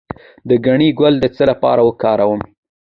د ګنی ګل د څه لپاره وکاروم؟